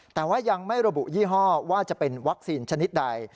แต่ว่ายังไม่ระบุยี่ห้อว่าจะเป็นวัคซีนชนิดใด